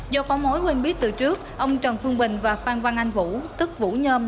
do có mối quên biết từ trước ông trần phương bình và phan văn anh vũ tức vũ nhôm